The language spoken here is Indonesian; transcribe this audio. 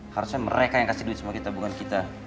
harusnya mereka yang kasih duit sama kita bukan kita